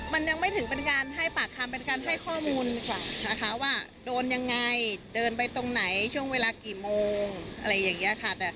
มันยังไม่ถึงเป็นการให้ปากคำเป็นการให้ข้อมูลกว่านะคะว่าโดนยังไงเดินไปตรงไหนช่วงเวลากี่โมงอะไรอย่างนี้ค่ะ